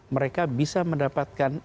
mereka bisa mendapatkan